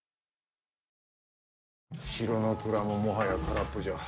城の蔵ももはや空っぽじゃ。